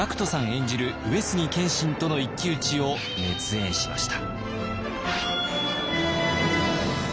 演じる上杉謙信との一騎打ちを熱演しました。